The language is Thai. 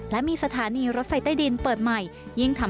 และมีสถานีรถไฟใต้ดินเปิดใหม่